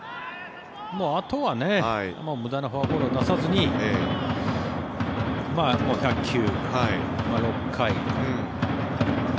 あとは無駄なフォアボールを出さずに１００球、６回。